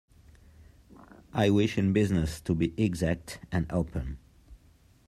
I wish in business to be exact and open.